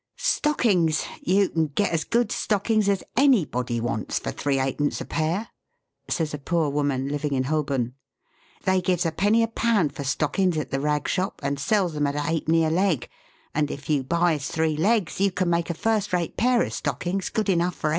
" Stockings ! You can get as good stockings as tffi^body wants for three ha'pence a pair," says a poor woman living in Holborn. " They gives a penny a pound for stockings at the rag shop, and sells them at a ha'penny a leg, and ii you buys three legs you can make a first rate pair o' stock ings, good enough for any one